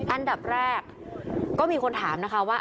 อันดับแรกก็มีคนถามนะคะว่า